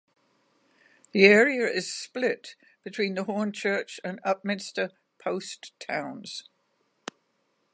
The area is split between the Hornchurch and Upminster post towns.